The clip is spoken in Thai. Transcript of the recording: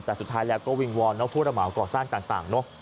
แต่สุดท้ายแล้วก็วิงวอนผู้ระเหมาก่อสร้างต่างเนอะ